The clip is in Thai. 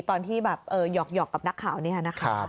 ตอนที่แบบหยอกกับนักข่าวนี้นะคะ